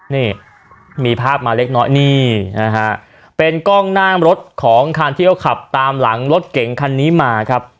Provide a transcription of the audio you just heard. นี่มีภาพมาเล็กน้อยนี่นะฮะเป็นกล้องหน้ารถของคันที่เขาขับตามหลังรถเก๋งคันนี้มาครับ